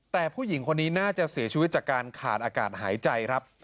แต่ผู้หญิงคนนี้น่าจะเสียชีวิตจากการขาดอากาศหายใจครับ